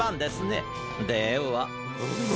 では。